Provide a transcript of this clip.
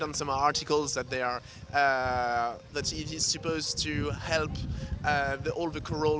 kami membaca beberapa artikel yang diperoleh membantu semua korol